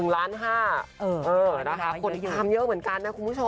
คนทำเยอะเหมือนกัน